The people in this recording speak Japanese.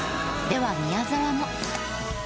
では宮沢も。